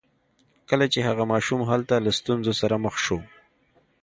کله چې هغه ماشوم هلته له ستونزو سره مخ شو